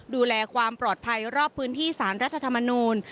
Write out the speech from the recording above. ดูแลความปลอดภัยรอบพื้นที่สารรัฐธรรมนูล